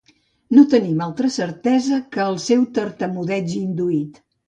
No tenim cap altra certesa que el seu tartamudeig induït.